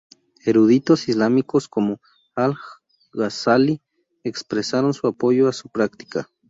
Eruditos islámicos como Al-Ghazali expresaron su apoyo a su práctica.